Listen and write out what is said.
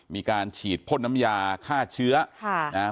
มีการฉีดพ่นน้ำยาฆ่าเชื้อค่ะนะฮะ